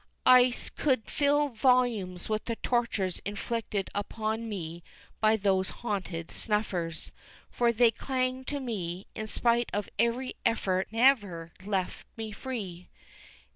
I could fill volumes with the tortures inflicted upon me by those haunted snuffers, for they clung to me, and in spite of every effort never left me free.